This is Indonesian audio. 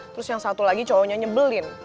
terus yang satu lagi cowok nya nyebelin